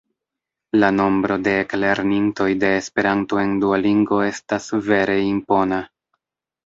La nombro de eklernintoj de Esperanto en Duolingo estas vere impona!